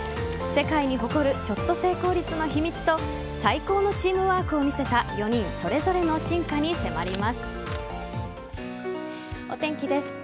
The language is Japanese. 世界に誇るショット成功率の秘密と最高のチームワークを見せた４人それぞれの進化に迫ります。